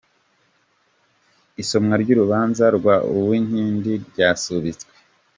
Isomwa ry’urubanza rwa Uwinkindi ryasubitswe